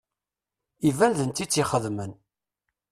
Iban d netta i tt-ixedmen.